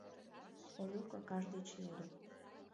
— Олюк акаж деч йодо.